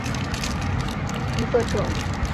多变粗枝藓为灰藓科粗枝藓属下的一个种。